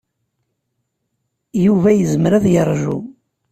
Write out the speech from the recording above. Yuba yezmer ad yeṛju.